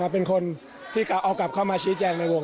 เป็นคนที่เอากลับเข้ามาชี้แจงในวง